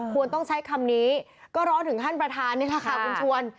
ควรต้องใช้คำนี้ก็ร้อนถึงท่านประธานนี่แหละค่ะคุณชวน